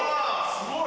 すごい。